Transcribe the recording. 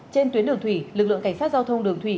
trên tuyến đường thủy lực lượng cảnh sát giao thông đường thủy